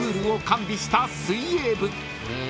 完備した水泳部］